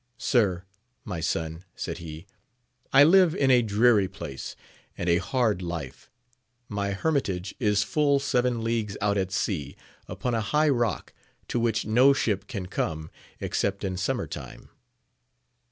Sir, my son, said he, I live in a dreary place, and a hard life ; my hermitage is fuU seven leagues out at sea, upon a high rock, to which no ship can come except in summer time.